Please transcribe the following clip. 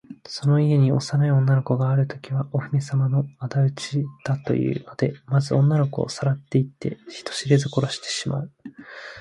その家に幼い女の子があるときは、お姫さまのあだ討ちだというので、まず女の子をさらっていって、人知れず殺してしまう。